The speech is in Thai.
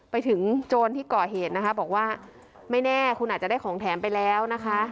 โจรที่ก่อเหตุนะคะบอกว่าไม่แน่คุณอาจจะได้ของแถมไปแล้วนะคะ